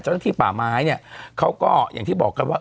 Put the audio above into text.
เจ้าหน้าที่ป่าไม้เนี่ยเขาก็อย่างที่บอกกันว่า